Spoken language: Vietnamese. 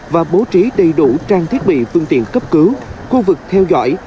và bố trí đầy đủ trang thiết bị phương tiện cấp cứu khu vực theo dõi